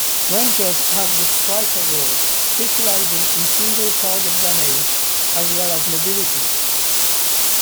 Rangers have the Striker role, specializing in single-target damage, as well as mobility.